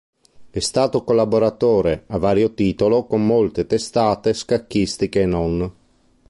È stato collaboratore, a vario titolo, con molte testate scacchistiche e non.